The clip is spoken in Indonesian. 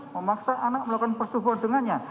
memaksa anak melakukan persetubuhan dengannya